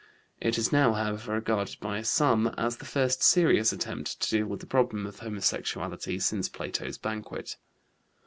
It is now, however, regarded by some as the first serious attempt to deal with the problem of homosexuality since Plato's Banquet.